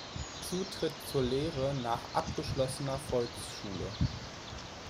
Zutritt zur Lehre nach abgeschlossener Volksschule.